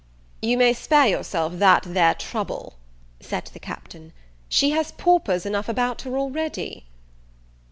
"You may spare yourself that there trouble," said the Captain, "she has paupers enough about her already."